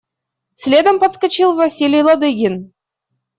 Следом подскочил Василий Ладыгин.